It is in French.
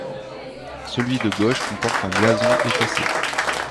Celui de gauche comporte un blason effacé.